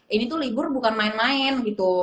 ini tuh libur bukan main main gitu